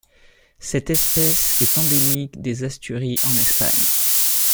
Cette espèce est endémique des Asturies en Espagne.